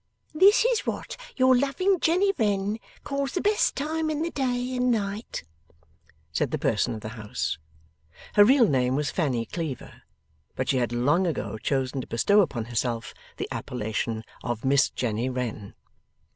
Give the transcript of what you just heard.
'This is what your loving Jenny Wren calls the best time in the day and night,' said the person of the house. Her real name was Fanny Cleaver; but she had long ago chosen to bestow upon herself the appellation of Miss Jenny Wren.